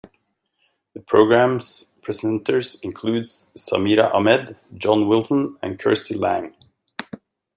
The programme's presenters include Samira Ahmed, John Wilson and Kirsty Lang.